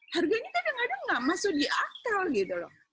harganya kadang kadang nggak masuk di akal gitu loh